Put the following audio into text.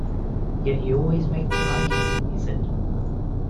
“Yet you always make me like it,” he said.